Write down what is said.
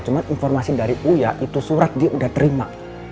cuma informasi dari uya itu surat dia udah terima